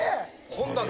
こんだけ。